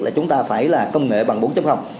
là chúng ta phải là công nghệ bằng bốn